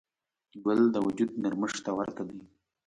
ګل د وجود نرمښت ته ورته دی.